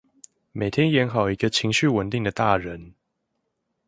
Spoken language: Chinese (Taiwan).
每天演好一個情緒穩定的大人